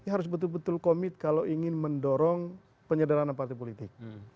harus betul betul komit kalau ingin mendorong penyederhanaan partai politik